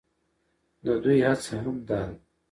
د دوى هڅه هم دا ده،